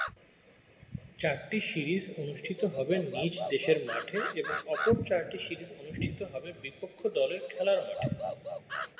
চারটি সিরিজ অনুষ্ঠিত হবে নিজ দেশের মাঠে এবং অপর চারটি সিরিজ অনুষ্ঠিত হবে বিপক্ষ দলের খেলার মাঠে।